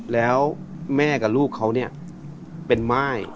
แล้วแม่กับลูกเขาเป็นไม้